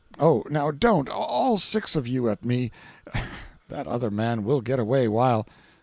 Oh, now—don't! All six of you at me! That other man will get away while.